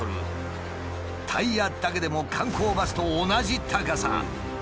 タイヤだけでも観光バスと同じ高さ。